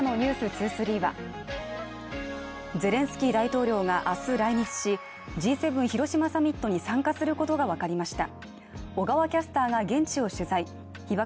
２３はゼレンスキー大統領が明日来日し、Ｇ７広島サミットに参加することがわかりました